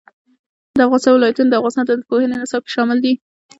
د افغانستان ولايتونه د افغانستان د پوهنې نصاب کې شامل دي.